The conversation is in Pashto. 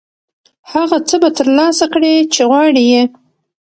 هغه څه به ترلاسه کړې چې غواړې یې.